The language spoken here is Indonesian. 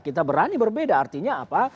kita berani berbeda artinya apa